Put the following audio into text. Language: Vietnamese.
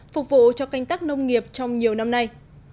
phục vụ cho canh tắc nông nghiệp trong nhiều năm nay